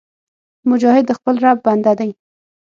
مجاهد د خپل رب بنده دی